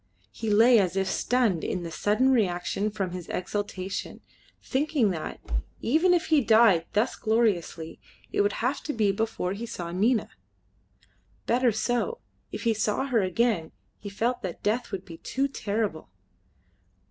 He lay as if stunned in the sudden reaction from his exaltation, thinking that, even if he died thus gloriously, it would have to be before he saw Nina. Better so. If he saw her again he felt that death would be too terrible.